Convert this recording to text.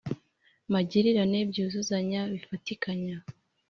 magirirane: byuzuzanya, bifatikanya